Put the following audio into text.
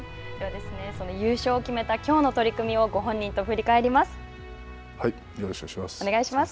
その優勝を決めたきょうの取組をよろしくお願いします。